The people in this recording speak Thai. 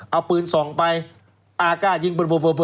เอาปืนส่องไปอาก้ายิงปืน